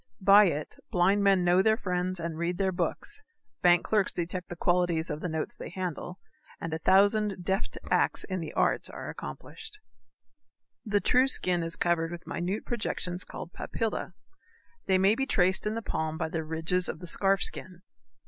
By it blind men know their friends and read their books, bank clerks detect the qualities of the notes they handle, and a thousand deft acts in the arts are accomplished. The true skin is covered with minute projections called papillæ. They may be traced in the palm by the ridges of the scarf skin.